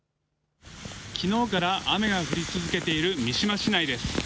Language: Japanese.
きのうから雨が降り続けている三島市内です。